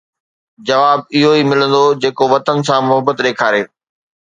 جواب اهو ئي ملندو جيڪو وطن سان محبت ڏيکاري